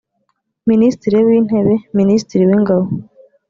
minisitiri w intebe minisitiri w ingabo